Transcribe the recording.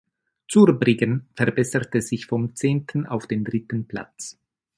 Zurbriggen verbesserte sich vom zehnten auf den dritten Platz.